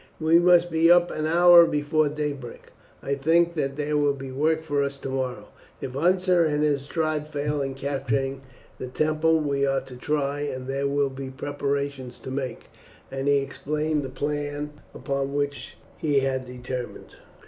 "We must be up an hour before daybreak; I think that there will be work for us tomorrow. If Unser and his tribe fail in capturing the temple we are to try; and there will be preparations to make." And he explained the plan upon which he had determined.